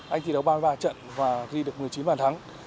anh thi đấu ba mươi ba trận và ghi được một mươi chín bàn thắng